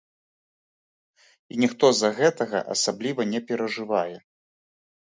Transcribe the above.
І ніхто з-за гэтага асабліва не перажывае.